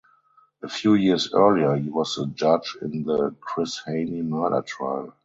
A few years earlier he was the judge in the Chris Hani murder trial.